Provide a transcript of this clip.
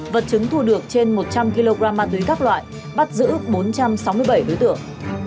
vật chứng thu được trên một trăm linh kg ma túy các loại bắt giữ bốn trăm sáu mươi bảy đối tượng